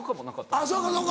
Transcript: あぁそうかそうか。